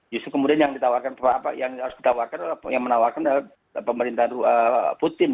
justru kemudian yang ditawarkan yang harus ditawarkan adalah yang menawarkan oleh pemerintahan putin